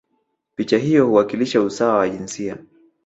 picha hiyo huwakilisha usawa wa jinsia